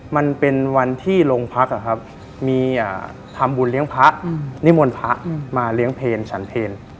มันเป็นวันที่โรงพักมีทำบุญเลี้ยงพระนิมนต์พระมาเลี้ยงเพลฉันเพล